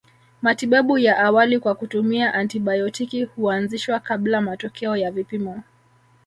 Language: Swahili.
Matibabu ya awali kwa kutumia antibayotiki huanzishwa kabla matokeo ya vipimo